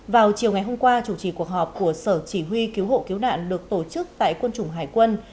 vào chiều ngày hôm qua chủ trì cuộc họp của sở chỉ huy cứu hộ cứu nạn được tổ chức tại quân chủng hải quân